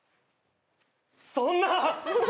そんな。